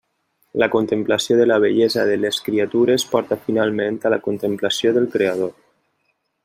La contemplació de la bellesa de les criatures porta finalment a la contemplació del creador.